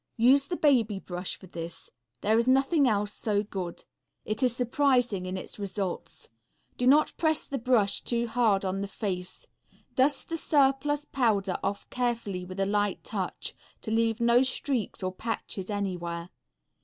Use the baby brush for this; there is nothing else so good. It is surprising in its results. Do not press the brush too hard on the face; dust the surplus powder off carefully with a light touch, to leave no streaks or patches anywhere.